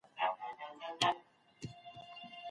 زموږ زعفران زموږ د عمل ژبه ده.